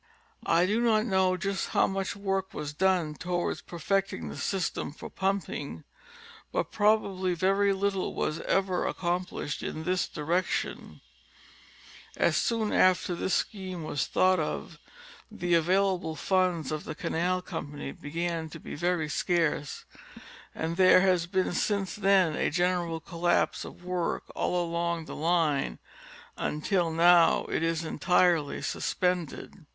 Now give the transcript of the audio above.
I do not know just how much work was done towards perfecting the system for pumping, but probably very little was ever accom plished in this direction, as soon after this scheme was thought of the available funds of the canal company began to be very scarce, and there has been since then a general collapse of work all along the line until now it is entirely suspended.